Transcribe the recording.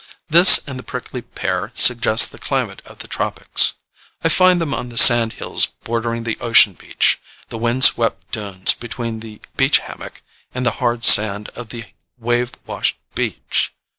This and the prickly pear suggest the climate of the tropics. I find them on the sandhills bordering the ocean beach, the wind swept dunes between the "beach hammock" and the hard sand of the wave washed beach.